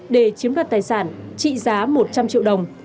để chiếm đoạt tài sản trị giá một trăm linh triệu đồng